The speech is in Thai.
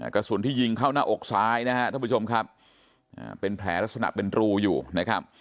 กระสุนที่ยิงเข้าหน้าอกซ้ายนะครับท่านผู้ชมครับเป็นแผลลักษณะเป็นรูอยู่นะครับ